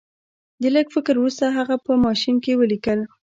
د لږ فکر وروسته هغه په ماشین کې ولیکل